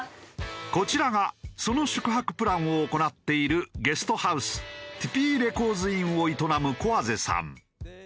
こちらがその宿泊プランを行っているゲストハウスティピーレコーズインを営むコアゼさん。